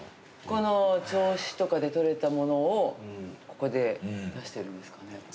この銚子とかで取れたものをここで出してるんですかね？